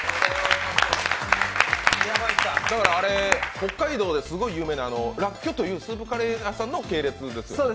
北海道ですごい有名ならっきょというスープカレー屋さんの系列店ですよね？